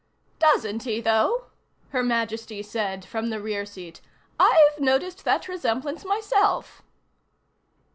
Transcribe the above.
"Doesn't he, though?" Her Majesty said from the rear seat. "I've noticed that resemblance myself."